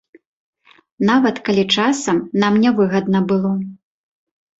Нават калі часам нам нявыгадна было.